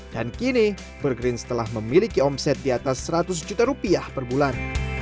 dan kini bergrins telah memiliki omset di atas seratus juta rupiah per bulan